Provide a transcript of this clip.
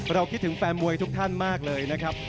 คิดถึงแฟนมวยทุกท่านมากเลยนะครับ